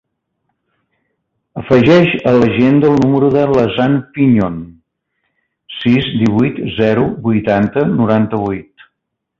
Afegeix a l'agenda el número de l'Hassan Piñon: sis, divuit, zero, vuitanta, noranta-vuit.